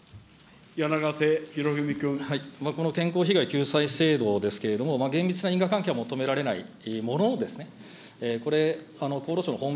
この健康被害救済制度ですけれども、厳密な因果関係は求められないものですね、これ、厚労省のホーム